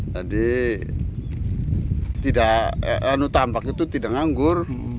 jadi lahan tambak itu tidak nganggur